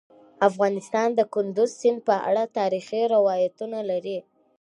افغانستان د کندز سیند په اړه تاریخي روایتونه لري.